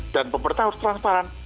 dan pemerintah harus transparan